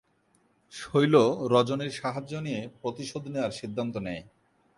শৈল রজনীর সাহায্য নিয়ে প্রতিশোধ নেওয়ার সিদ্ধান্ত নেয়।